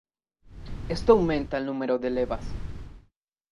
Esto aumenta el número de levas.